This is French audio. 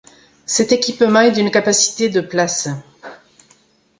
Cet équipement est d'une capacité de places.